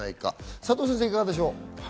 佐藤先生、どうでしょう？